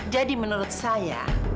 jadi menurut saya